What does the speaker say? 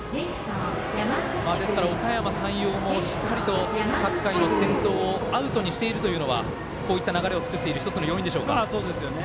おかやま山陽も、しっかりと各回の先頭をアウトにしているのはこういった流れをつかむ１つの要因でしょうか。